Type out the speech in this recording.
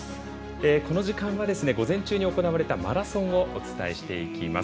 この時間は午前中に行われたマラソンをお伝えします。